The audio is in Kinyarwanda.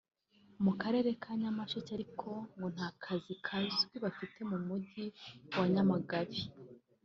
mu Karere ka Nyamasheke ariko ngo nta kazi kazwi bafite mu mujyi wa Nyamagabe